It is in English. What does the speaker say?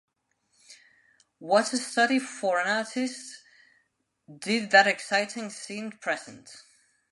What a study for an artist did that exciting scene present!